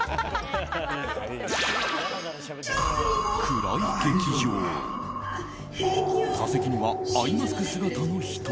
暗い劇場座席にはアイマスク姿の人。